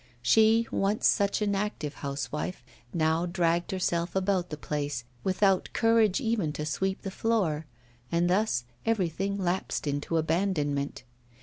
She, once such an active housewife, now dragged herself about the place, without courage even to sweep the floor, and thus everything lapsed into abandonment.